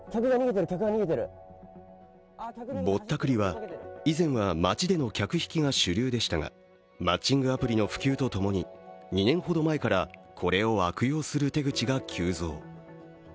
ぼったくりは以前は街での客引きが主流でしたが、マッチングアプリの普及とともに２年ほど前からこれを悪用する手口が急増。